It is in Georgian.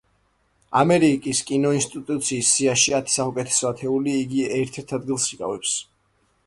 ამერიკის კინოინსტიტუტის სიაში „ათი საუკეთესო ათეული“ იგი ერთ-ერთ ადგილს იკავებს.